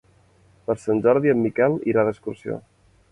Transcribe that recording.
Per Sant Jordi en Miquel irà d'excursió.